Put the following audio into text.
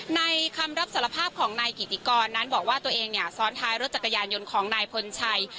คำรับสารภาพของนายกิติกรนั้นบอกว่าตัวเองเนี่ยซ้อนท้ายรถจักรยานยนต์ของนายพลชัย